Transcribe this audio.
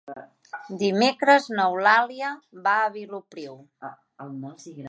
Dimecres n'Eulàlia va a Vilopriu.